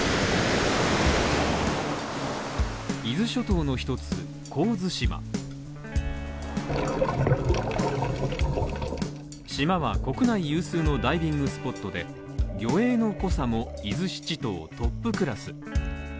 伊豆諸島の一つ、神津島島は国内有数のダイビングスポットで魚影の濃さも伊豆七島トップクラス。